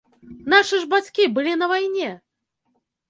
Нашы ж бацькі былі на вайне!